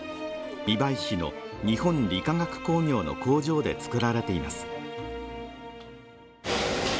美唄市の日本理化学工業の工場で作られています